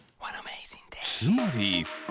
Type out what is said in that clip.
つまり。